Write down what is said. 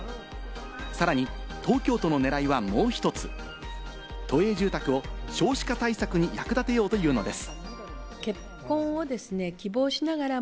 さらに東京都の狙いはもう１つ、都営住宅を少子化対策に役立てようというのです。